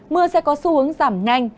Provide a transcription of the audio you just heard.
mưa sẽ có xu hướng giảm nhanh